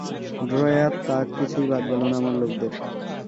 Drawer, তাক কিছুই বাদ গেল না আমার লোকদের।